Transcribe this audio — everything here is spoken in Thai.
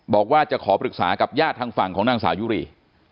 บอกว่าจะขอปรึกษากับญาติทางฝั่งของนางสาวยุรี